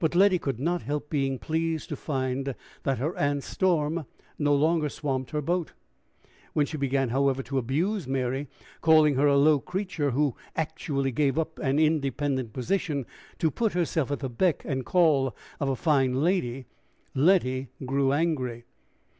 But Letty could not help being pleased to find that her aunt's storm no longer swamped her boat. When she began, however, to abuse Mary, calling her a low creature, who actually gave up an independent position to put herself at the beck and call of a fine lady, Letty grew angry.